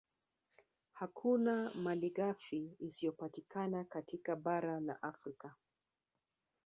Hakuna malighafi isiyopatikana katika bara la Afrika